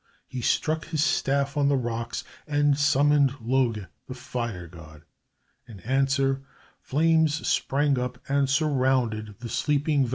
He struck his staff on the rocks, and summoned Loge, the Fire God. In answer, flames sprang up and surrounded the sleeping Valkyr maiden.